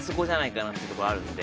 てとこあるんで。